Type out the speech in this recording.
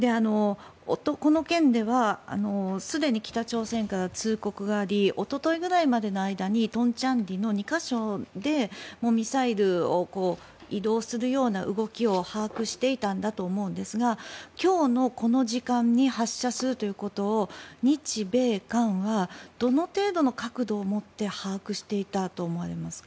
この件では、すでに北朝鮮から通告がありおとといぐらいまでの間に東倉里の２か所でミサイルを移動するような動きを把握していたんだと思うんですが今日のこの時間に発射するということを日米韓はどの程度の確度を持って把握していたと思われますか。